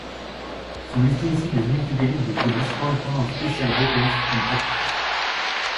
Sont listées ici des unités d'élite de Police correspondant au Special Weapons And Tactics.